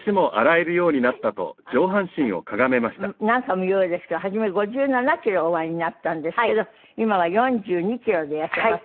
まあ何回も言うようですけど初め５７キロおありになったんですけど今は４２キロでいらっしゃいます。